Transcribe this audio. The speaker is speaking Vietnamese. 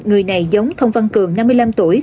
người này giống thông văn cường năm mươi năm tuổi